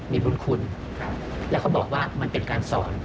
มีบุญคุณแล้วเขาบอกว่ามันเป็นการสอน